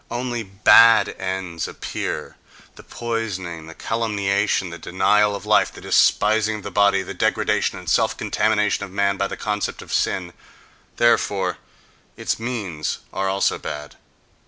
Only bad ends appear: the poisoning, the calumniation, the denial of life, the despising of the body, the degradation and self contamination of man by the concept of sin—therefore, its means are also bad.